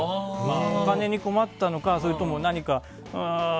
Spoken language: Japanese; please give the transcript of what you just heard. お金に困ったのか、それとも。